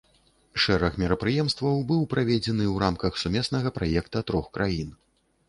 Шэраг мерапрыемстваў быў праведзены ў рамках сумеснага праекта трох краін.